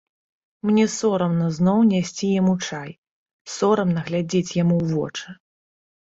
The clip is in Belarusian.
Мне сорамна зноў несці яму чай, сорамна глядзець яму ў вочы.